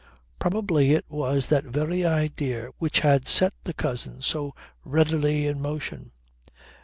Probably it was that very idea which had set the cousin so readily in motion.